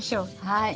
はい。